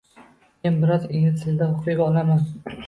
Men biroz ingliz tilida o'qiy olaman.